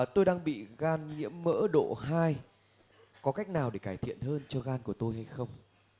tôi đang bị gan nhiễm mỡ độ hai có cách nào để cải thiện hơn cho gan của tôi hay không